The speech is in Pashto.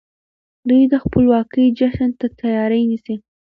دوی د خپلواکۍ جشن ته تياری نيسي.